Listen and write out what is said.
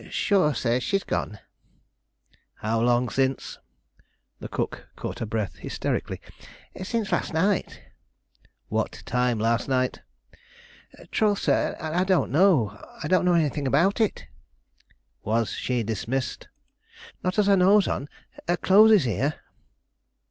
"Shure, sir, she's gone." "How long since?" The cook caught her breath hysterically. "Since last night." "What time last night?" "Troth, sir, and I don't know. I don't know anything about it." "Was she dismissed?" "Not as I knows on; her clothes is here."